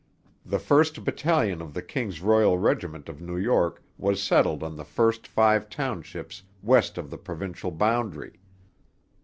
The first battalion of the King's Royal Regiment of New York was settled on the first five townships west of the provincial boundary.